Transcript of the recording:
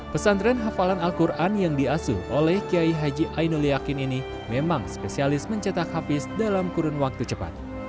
pesantren hafalan al quran yang diasuh oleh kiai haji ainul yakin ini memang spesialis mencetak hafiz dalam kurun waktu cepat